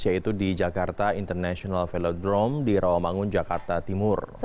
yaitu di jakarta international velodrome di rawamangun jakarta timur